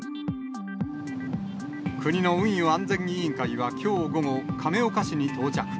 国の運輸安全委員会はきょう午後、亀岡市に到着。